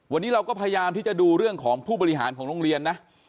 วันนี้เราก็พยายามที่จะดูเรื่องของผู้บริหารของโรงเรียนนะ